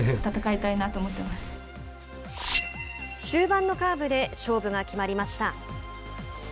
終盤のカーブで勝負が決まりました。